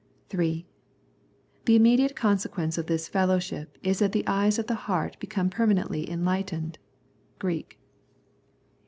(3) The immediate consequence of this fellowship is that the eyes of the heart become permanently enlightened (Greek).